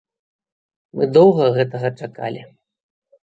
Мы доўга гэтага чакалі.